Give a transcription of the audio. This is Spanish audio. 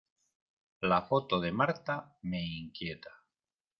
La foto de Marta me inquieta.